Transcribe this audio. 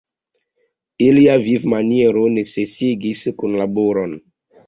Ilia vivmaniero necesigis kunlaboron.